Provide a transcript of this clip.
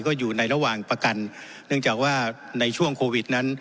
ก็อยู่ในระหว่างประกันเนื่องจากว่าในช่วงโควิดนั้น